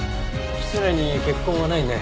室内に血痕はないね。